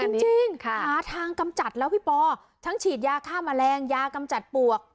จริงหาทางกำจัดแล้วพี่ปอทั้งฉีดยาฆ่าแมลงยากำจัดปวก